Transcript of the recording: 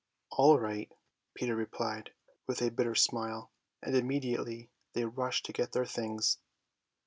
"All right," Peter replied with a bitter smile, and immediately they rushed to get their things.